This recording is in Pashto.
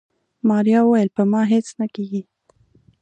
ماريا وويل په ما هيڅ نه کيږي.